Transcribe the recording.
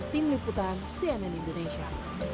tim liputan cnn indonesia